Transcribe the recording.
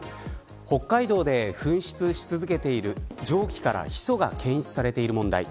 北海道で噴出し続けている蒸気からヒ素が検出されている問題。